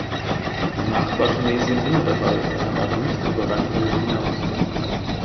Danach war Tunesien immer dabei, kam aber nicht über Rang elf hinaus.